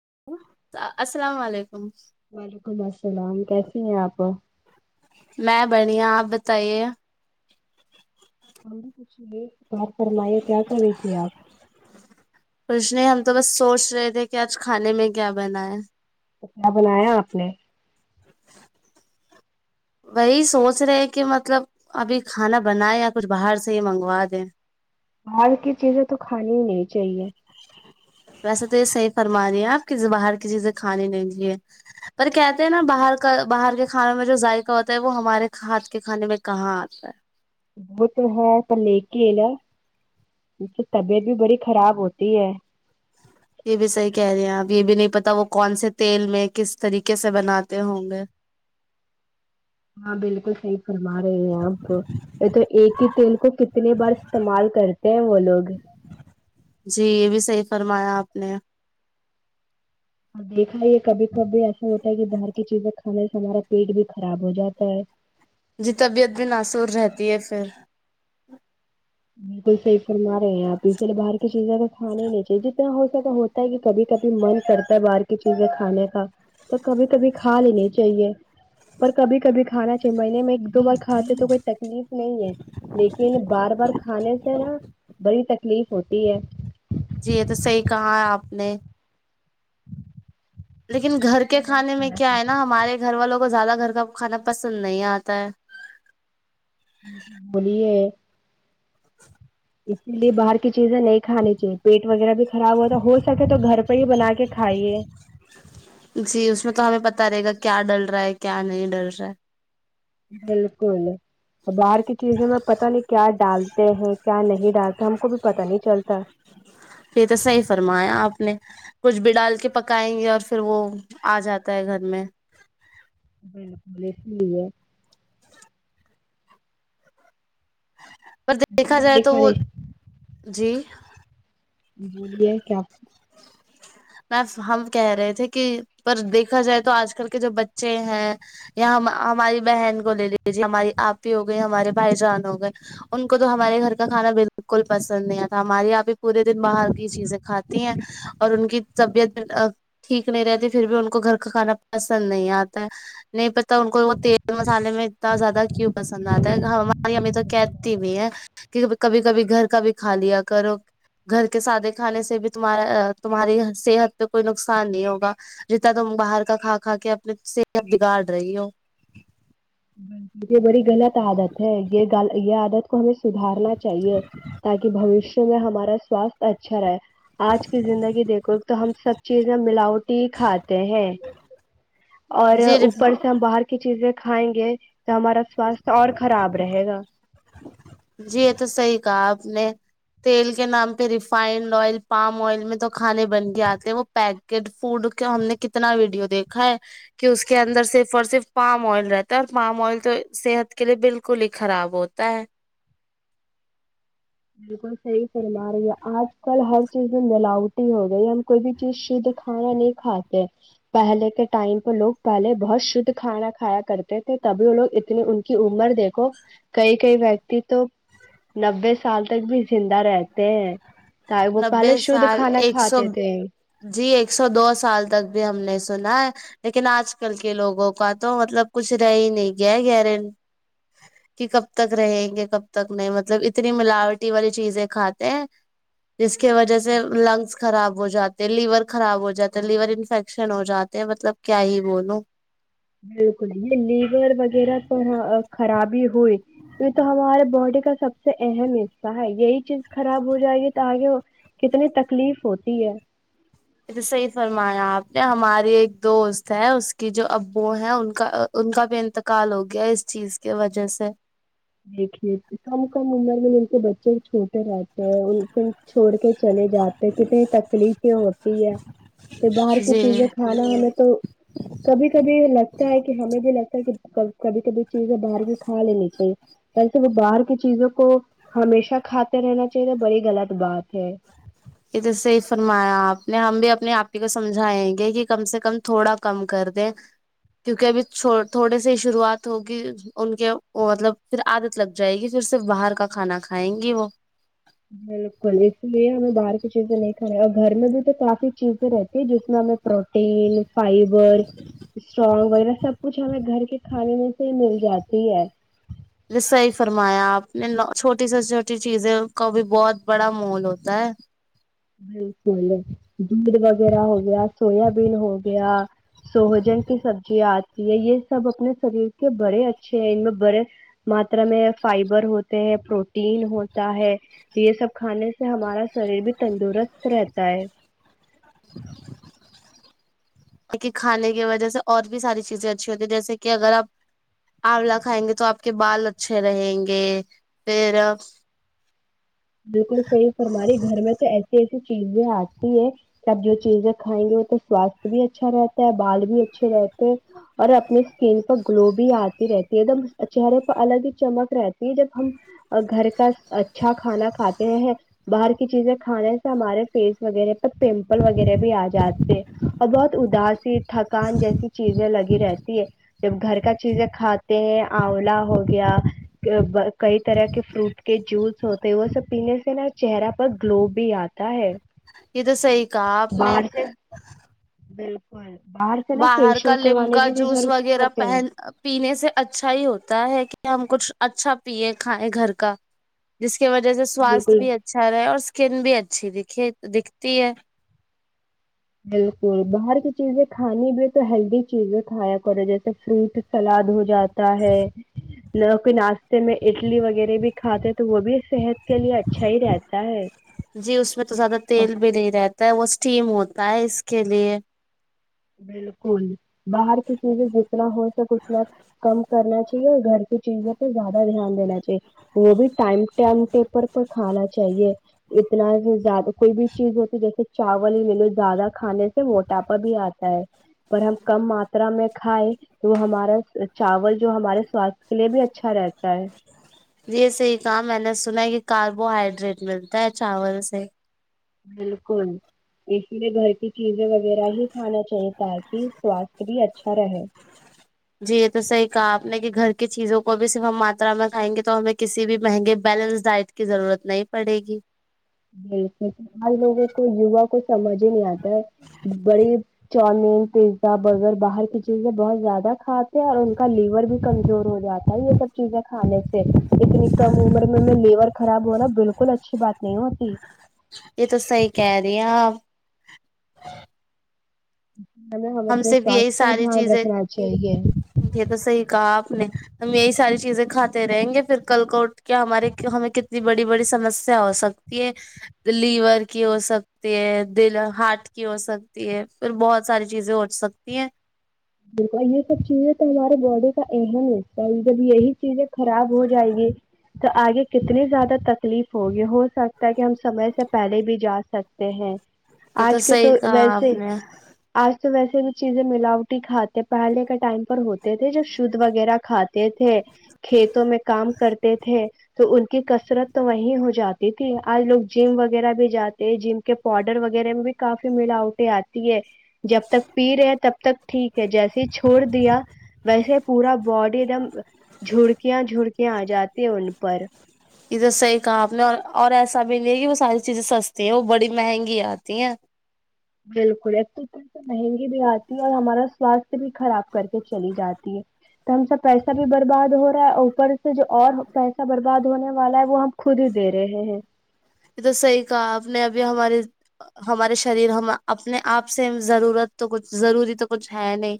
[unintelligible] [unintelligible] [unintelligible] [unintelligible] [unintelligible] [unintelligible] [unintelligible] [unintelligible] [unintelligible] [unintelligible] [unintelligible] [unintelligible] [unintelligible] [inaudible] [unintelligible] [unintelligible] [unintelligible] [inaudible] [unintelligible] کھانے نہیں چاہیے جتنا ہو سکے ہوتا ہے کہ کبھی کبھی من کرتا ہے باہر کی چیزیں کھانے کا تو کبھی کبھی کھا لینی چاہیے پر کبھی کبھی کھانا چاہے چھ مہینے میں ایک دو بار کھاتے تو کوئی تکلیف نہیں ہے لیکن بار بار کھانے سے نا بڑی تکلیف ہوتی ہے جی یہ تو صحیح کہا ہیں آپ نے لیکن گھر کے کھانے میں کیا ہینا ہمارے گھر والوں کو زیادہ گھر کا کھانا پسند نہیں آتا ہے بولیے اسی لیے باہر کی چیزیں نہیں کھانی چاہیے پیٹ وغیرہ بھی خراب ہوتا ہو سکے تو گھر پہ ہی بنا کے کھائیے جی اس میں تو ہمیں پتا رہے گا کیا ڈل رہا ہے کیا نہیں ڈل رہا ہے بلکل باہر کی چیزیں میں پتتا نہیں کیا ڈال تے ہیں کیا نہیں ڈالتے ہم کو بھی پتا نہیں چلتا پھر تو صحیح فرمایا آپ نے کچھ بھی ڈال کے پکائیں گے اور پھر وہ آ جاتا ہے گھر میں بلکل اس لیے پر اس دیکھا نے جائے نہیں تو وہ خرش جی بولیے کیا بسں ہم کہہ رہے تھے کہ پر دیکھا جائے تو آج کل کے جو بچے ہیں یا ہم ہماری بہن کو لے لیجے ہماراری آپی ہی ہو گئے ہمارے بھائی جان ہو گئے ان کو تو ہمارے گھر کا کھانا بلکل پسند نہیں آتا ہماری آپخ پورے دن باہر کی چیزیں کھاتی ہیں اور ان کی طبیعت ٹھیک نہیں رہتی پھر بھی ان کو گھر کا کھانا پسند نہیں آتا نہیں تو ان کو تیل مسالے میں اتنا زیادہ کیوں پسند آتا ہے ہماری امی تو کہتی بھی ہیں کہ کبھی کبھی گھر کا بھی کھا لیا کرو گھر کے سادے کھانے سے بھی تمہارا تمہاری صحت پہ کوئی نقصان نہیں ہوگا ریتا تم باہر کا کھا کھا کے اپنی صحت بگاڑ رہی ہو لیکن یہ بڑی غلط عادت ہے یہ یہ عادت کو ہمیں سدارنا چاہیے تاکہ بوشیہ ہمارا سوستھ اچھا رہے آج کی زندگی دیکھو تو ہم سب چیزیں ملاوٹی کھاتے ہیں اور جی اوپر سے ہم باہر کی چیزیں کھائیں گے تو ہمارا سواستھ اور خراب رہے گا جی یہ تو صحیح کہا آپ نے تیل کے نام پہ ریفائنڈ آئل پام آئل میں تو کھانے بن کے آتے وہ پیکڈ فوڈ کا ہم نے کتنا ویڈیو دیکھا ہے کہ اس کے اندر صرف اور صرف پام آئل رہتا ہے اور پام آئل تو صحت کے لیے بالکل ہی خراب ہوتا ہے بالکل صحیح فرما رہی ہے آج کل ہر چیز میں ملاوٹی ہو گئی ہم کوئی بھی چیز شدھ کھانا نہیں کھا پہلے کے ٹائم پہ لوگ پہلے بہت شھ کھانا کھایا کرتے تھے تبھی وہ لوگ اتنی ان کی عمر دیکھو کئی کئی ویکتی تو نبے سے سال تک بھی زندہ رہتے ہیں وہ پہلے نبے شھد سال کھانا ایک سو کھاتے تھے جی ایک سو دو سال تک بھی ہم نے سنا ہے لیکن آج کل کے لوگوں کا تو مطلب کچھ رہ ہی نہیں گیا گارن کہ کب تک رہیں گے کب تک نہیں مطلب اتنی ملاوٹی والی چیزیں کھاتے ہیں جس کی وجہ سے لنگس خراب ہو جاتے لیور خراب ہو جاتے لیور انفیکشن ہو جاتے ہیں مطلب کیا ہی بولوں بالکل یہ لیور وغیرہ خرابی ہوئی یہ تو ہمارے باڈی کا سب سے اہم حصہ ہے یہی چیز خراب ہو جائے گی تو آگے وہ کتنی تکلیف ہوتی ہے یہ تو صحیح فرمایا آپ نے ہماری ایک دوست ہے اس کی جو ابو ہیں ان کا ان کا بھی انتقال ہو گیا اس چیز کی وجہ سے دیکھیے کم کم عمر میں ان کے بچے چھوٹے رہتے ہیں ان پ چھوڑ کے چلے جاتے ہیں کتنی تکلیف ہوتی ہے کہ باہر کی جی چیزیں کھانا ہمیں تو کبھی کبھی لگتا ہے کہ ہمیں بھی لگتا کبھی کبھی چیزیں باہر کی کا لینی چاہیے ویسے وہ باہر کی چیزوں کو ہمیشہ کھاتے رہنا چاہیے بڑی غلط بات ہے ا توھر صحی فرمایا آپ نے ہم بھی اپنے آپ ہی کو سمجھائیں گے کہ کم سے کم تھوڑا کم کر دیں کیونکہ ابھی تھوڑے سے ہی شروعات ہوگی ان کے مطلب پھر عادت لگ جائے گی پھر صرف باہر کا کھانا کھائیں گی وہ بالکل اس لیے ہمیں باہر کی چیزیں نہیں کھ رہے ہیں اور گھر میں بھی تو کافی چیزیں رہتی ہے جس میں ہمیں پروٹیین فائبر اسٹرگ وغیرہ سب کچھ ہمیں گھر کے کھانے میں سے مل جاتی ہے ج صی فرمایا آپ نے چھوٹی سے چھوٹی چیزیں کا بھی بہت بڑا محول ہوتا ہے بالکل دودھ وغیرہ ہو گیا سویا بین ہو گیا سوہجن کی سبزیاں آتی ہے یہ سب اپنے شریر کے بڑے اچھے ہیں ان میں بڑے ماترا میں فائبر ہوتے ہیں پروٹین ہوتا ہے یہ سب کھانے سے ہمارا شریر بھی تندرست رہتا ہے کہ کھانے کی وجہ سے اور بھی ساری چیزیں اچھی ہوتی جیسے کہ اگر آپ آولا کھائیں گے تو آپ کے بال اچھے رہیں گے پھر بالکل صحیح فر ہماری گھر میں تو ایسے چیزیں آتی ہے آب جو چیزیں کھائیں گے وہ تو سواستھ بھی اچھا رہتا ہے بال بھی اچھے رہتے ہیں اور اپنے اسکن پر گلو بھی آتی رہتی ہے ایک دم چہرے پر الگ ہی چمک رہتی ہے جب ہم گھر کا اچھا کھانا کھاتے ہیں باہر کی چیزیں کھانے سے ہمارے فیس وغیرہ پر پمپل وغیرہ بھی آ جاتے ہیں اور بہت اداسی تھکان جیسی چیزیں لگی رہتی ہے جب گھر کا چیزیں کھاتے ہیں آولا ہو گیا کئی طرح کے فروٹ کے جوس ہوتے وہ سب پینے سے نا چہرہ پر گلو بھی آتا ہے یہ تو صحی کہا آپ نے باہر سے [unintelligible] نا باہر کا فیشیل کروانے لمکا کی بھی جوس ضرورت نہیں وغیرہ پڑتے ہیں پہن پینے سے اچھا ہی ہوتا ہے کہ ہم کچھ اچھا پیے کھیں گھر کا جس اس کی وجہ سے سواستھ بالکل بھی اچھا رہے اور اسکن بھی اچھی تی دے تو دکھتی ہے بالکل باہر کی چیزیں کھانی بھی تو ہیلدی چیزیں کھایا کرے جیسے فروٹ سلاد ہو جاتا ہے نہ کوئی ناشتے میں اڈلی وغیرہ بھی کھاتے ہیں تو وہ بھی صحت کے لیے اچھا ہی رہتا ہے جی اس میں تو زیادہ اور تیل بھی نہیں رہتا وہ اسٹیم ہوتا ہے اس کے لیے بالکل باہر کی چیزیں جتنا ہو سک اتنا کم کرنا چاہیے اور گھر کی چیزوں پہ زیادہ دھیان دینا چاہیے وہ بھی ٹائم ٹمٹیپر پر کھانا چاہیے اتنا زیادہ کوئی بھی چیز ہوتی جیسے چاول ہی لے لو زیادہ کھانے سے موٹاپا بھی آتا پر ہم کم ماترا میں کھائائے تو وہ ہمارا چاول جو ہمارے سواستھ کے لیے بھی اچھا رہتا ہے یہ صحی کہا میں نے سنا ہے کہ کاربوہائڈریٹ ملتا ہے چاول سے بالکل اسی لیے گھر کی چیزیں وغیرہ ہی کھانا چاہیے ت کہ سواستھ بھی اچھا رہے جی یہ تو صحیح کہا آپ نے کہ گھر کی چیزوں کو بھی صرف ہم ماترا میں کھائیں گے تو ہمیں کسی بھی مہنگے بیلنس ڈائٹ کی ضرورت نہیں پڑے گی جک آج لوگوں کو یوا کوچ سمج ہی نہیں آگتی بڑی چاؤمین پیزا برگر باہر کی چیزیں بہت زیادہ کھاتے ہیں اور ان کا لیور بھی کمزور ہو جاتا ہے یہ سب چیزیں کھانے سے لیکن نکا ممر میں میں لیر خراب ہو رہا بالکل اچھی بات نہیں ہو یہ تو صحی کہہ رہی ہیں آپ [inaudible] ہمیں ہم اپنے سے بھی یہی سواستھ کا ساری دھیان چیزیں رکھنا چاہیے یہ تو صحیح کہا آپ ہم یہی ساری چیزیں کھاتے رہیں گے پھر کل کو اٹھ کے ہمارے ہمیں کتنی بڑی بڑی سمسیا ہو سکتی ہے لیور کی ہو سکتی ہے دل ہارٹ کی ہو سکتی ہے پھر بہت ساری چیزیں ہو سکتی ہیں ب یہ سب چیزیں تو ہمارے باڈی کا اہم ہے ح ہے جب یہی چیزیں خراب ہو جائ گی تو آگے کتنی زیادہ تکلیف ہوگی ہو سکتا ہے کہ ہم سمے سے پہلے بھی جا سکتے ہیں یہ آج کے صحیح تو کہا آپ ویسے نے آج تو ویسے بھی چیزیں ملاؤ ر کھاتے پہلے کے ٹائم پر ہوتے تھے جب شدھ وغیرہ کھاتے تھے کھیتوں میں کام کرتے تھے تو ان کی کثرت تو وہی ہو جاتی تھی آج لوگ جم وغیرہ بھی جاتے جم کے پاؤڈر وغیرہ میں بھی کافی ملاوٹیں آتی ہے جب تک پی رہے ہیں تب تک جیسے چھوڑ دیا ویسے پورا باڈی ایک دم جڑکیاں جڑکیاں آ جاتی ہیں ان پر یہ تو صحیح کہا آپ نے اور اور ایسا بھی نہیں ہے کہ وہ ساری چیزیں سستی ہیں وہ بڑی مہنگی آتی ہیں بالکل ایک تو سے مہنگی بھی آتی اور ہمارا سوستھ بھی خراب کر کے چلی جاتی ہے تو ہم سب پیسہ بھی برباد ہو رہا ہے اوپر سے جو اور پیسہ برباد ہونے والا ہے وہ ہم خود ہی دے رہے ہیں یہ تو صحیح کہا آپ نے ابھی ہمارے ہمارے شریر ہم اپنے آپ سے ضرورت تو کچھ ضروری تو کچھ ہے نہیں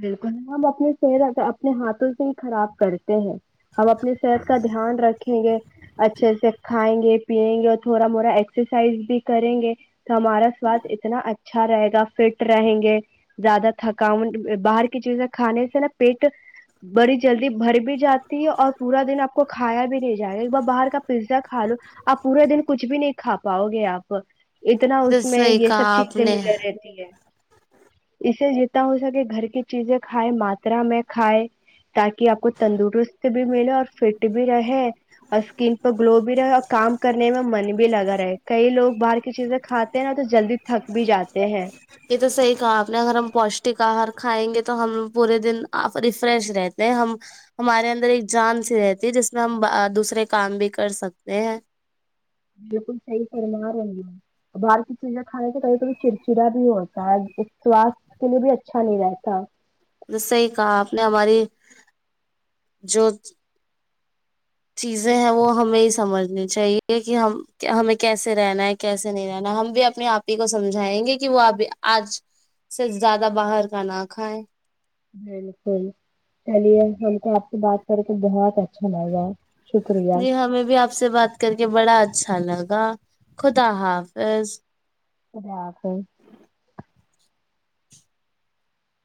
بالکل ہم اپنی صحت اپنے ہاتھوں سے ہی خراب کرتے ہیں ہم اپنی صحت کا دھیان رکھیں گے اچھے سے کھائیں گے پیئیں گے اور تھوڑا موڑا ایکسرسائز بھی کریں گے ہمارا سواد اتنا اچھا اچھا رہے گا فٹ رہیں گے زیادہ تھکان باہر کی چیزیں کھانے سے نا پیٹ بڑی جلدی بھر بھی جاتی ہے اور پورا دن آپ کو کھایا بھی نہیں جائے گا ایک بار باہر کا پیزا کا لو آپ پورا دن کچھ بھی نہیں کھا پاؤ گے آپ اتنا یہ تو اس میں صحیح یہ سب کہا آپ چیزیں نے ملے رہتی ہے اسے جیتتا ہو سکے گھر کی چیزیں کھائے ماترا میں کھائے تاکہ آپ کو تندرست بھی ملے اور فٹ بھی رہے اور اسکن پر گلو بھی رہے اور کام کرنے میں من بھی لگا رہے کئی لوگ باہر کی چیزیں کھاتے ہیں نا تو جلدی تھک بھی جاتے ہیں یہ تو سی کا اپنے گھر میں پوشک کاہر کھائیں گے تو ہم پورے دن ریفریش رہتے ہیں ہم ہمارے اندر ایک جان سی رہتی ہے جس میں ہم دوسرے کام بھی کر سکتے ہیں بالکل صحی فرما رہوں گی ا باہر ک چیزیں کھانے کے کیں کڑھی چرچا بھی ہوا سواستھ کے لیے بھی اچھا نہیں رہتا میںس صی کہا آپ نے ہماری جو چیزیں ہیں وہ ہمیں ہی سمجھنی چاہیے کہ ہم ہمیں کیسے رہنا ہے کیسے نہیں رہنا ہم بھی اپنے آپ ہی کو سمجھائیں گے کہ وہ اب آج صرف زیادہ باہر کا نہ کھائیں بالکل چلیے بلک آپ سے بات کر کے بہت اچھا لگ رہا جی ہمیں بھی آپ سے بات کر کے بڑا اچھا لگا خدا حافظ اف